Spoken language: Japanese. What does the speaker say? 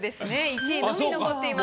１位のみ残っています。